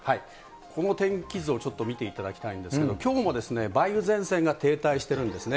この天気図をちょっと見ていただきたいんですけれども、きょうも梅雨前線が停滞してるんですね。